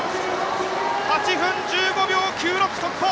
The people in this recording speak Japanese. ８分１５秒９６、速報！